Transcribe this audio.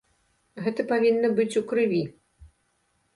Гэта павінна быць у крыві.